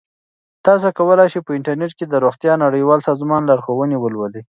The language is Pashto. تاسو کولی شئ په انټرنیټ کې د روغتیا نړیوال سازمان لارښوونې ولولئ.